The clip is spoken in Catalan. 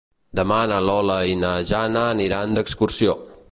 Demà na Lola i na Jana aniran d'excursió.